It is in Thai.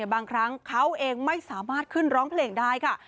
บางครั้งเขาเองไม่สามารถขึ้นร้องเพลงได้ค่ะ